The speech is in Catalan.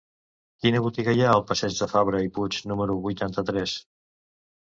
Quina botiga hi ha al passeig de Fabra i Puig número vuitanta-tres?